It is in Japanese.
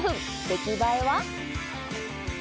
出来栄えは？